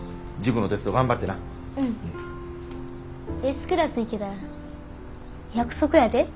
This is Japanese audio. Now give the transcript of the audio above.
Ｓクラスいけたら約束やで。